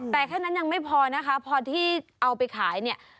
แต่แค่นั้นยังไม่พอนะคะพอที่เอาไปขายเนี่ย